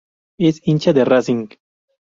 Es hincha de Racing.